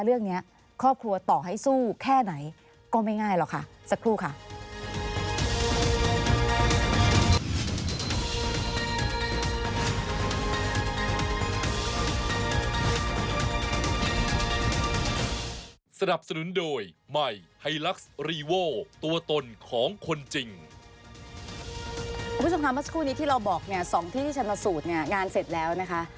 คุณผู้ชมค่ะมาสักครู่ที่เราบอก๒ที่ชนสูตรงานเสร็จแล้วนะคะ